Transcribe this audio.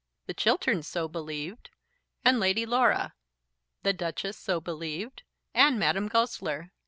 The Chilterns so believed, and Lady Laura; the Duchess so believed, and Madame Goesler.